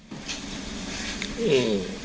อืม